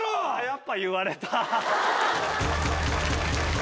やっぱ言われた。